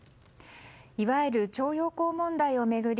いわゆる徴用工問題を巡り